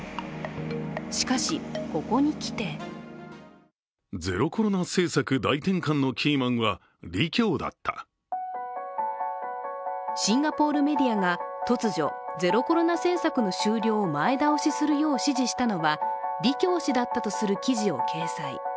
しかし、ここにきてシンガポールメディアが突如、ゼロコロナ政策の終了を前倒しするよう指示したのは李強氏だったとする記事を掲載。